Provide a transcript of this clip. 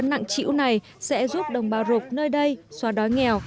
nặng chịu này sẽ giúp đồng bào rục nơi đây xóa đói nghèo